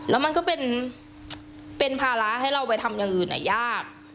แล้วมันก็เป็นภาระให้เราไปทำอย่างอื่นยาก